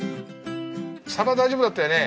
サバ大丈夫だったよね？